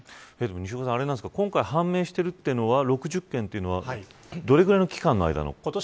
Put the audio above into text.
西岡さん、今回判明しているのは６０件というのはどれぐらいの期間の間なんですか。